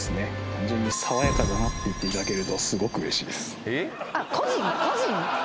単純に爽やかだなって言っていただけるとすごく嬉しいです